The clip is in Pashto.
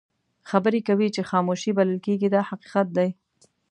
خبرې کوي چې خاموشي بلل کېږي دا حقیقت دی.